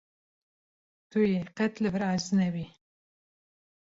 Tu yê qet li vir aciz nebî.